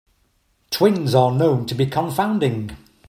Twins are known to be confounding.